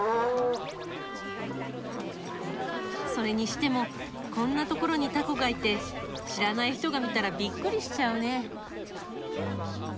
それにしてもこんなところにタコがいて知らない人が見たらびっくりしちゃうね。